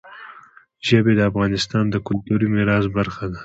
ژبې د افغانستان د کلتوري میراث برخه ده.